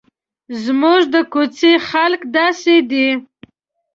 زموږ د کوڅې خلک داسې دي.